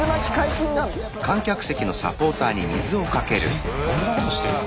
えっこんなことしてんの？